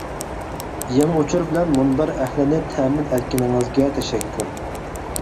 يېڭى ئۇچۇر بىلەن مۇنبەر ئەھلىنى تەمىن ئەتكىنىڭىزگە تەشەككۈر.